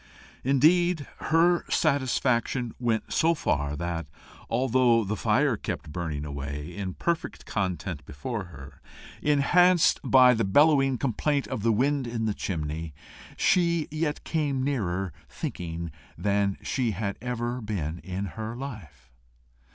Indeed, her dissatisfaction went so far that, although the fire kept burning away in perfect content before her, enhanced by the bellowing complaint of the wind in the chimney, she yet came nearer thinking than she had ever been in her life.